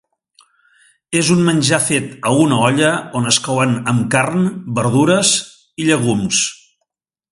És un menjar fet a una olla on es couen amb carn, verdures i llegums.